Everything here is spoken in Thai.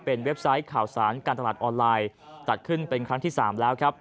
เป็นเว็บไซต์ข่าวสารการตลาดออนไลน์ตัดขึ้นเป็นครั้งที่๓แล้วครับ